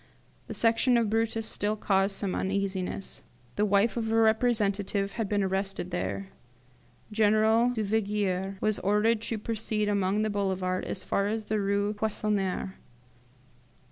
The Section of Brutus still caused some uneasiness. The wife of a representative had been arrested there. General Duvigier was ordered to proceed along the Boulevard as far as the Rue Poissonniere.